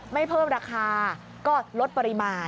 ไม่เพิ่มราคาก็ลดปริมาณ